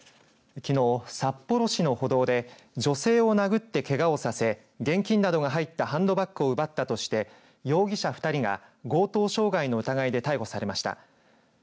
きのう、札幌市の歩道で女性を殴って、けがをさせ現金などが入ったハンドバッグを奪ったとして容疑者２人が強盗傷害の疑いで逮捕されました。